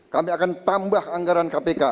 kami akan tambah anggaran kpk